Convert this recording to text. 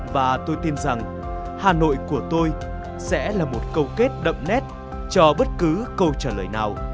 và tôi tin rằng hà nội của tôi sẽ là một câu kết đậm nét cho bất cứ câu trả lời nào